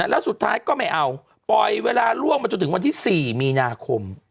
แล้วสุดท้ายก็ไม่เอาปล่อยเวลาล่วงมาจนถึงวันที่๔มีนาคม